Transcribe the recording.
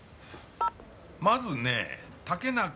まずね竹中。